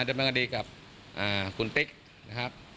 เดินไปกันดีกับคุณติ๊กนะครับ